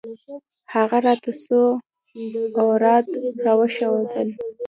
هغه راته څو اوراد راوښوول.